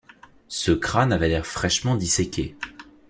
Ce crâne avait l’air fraîchement disséqué.